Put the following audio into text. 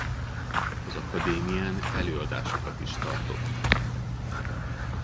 Az akadémián előadásokat is tartott.